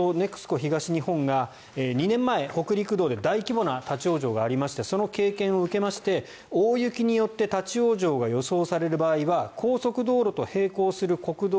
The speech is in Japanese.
東日本が２年前、北陸道で大規模な立ち往生がありましてその経験を受けまして大雪によって立ち往生が予想される場合は高速道路と並行する国道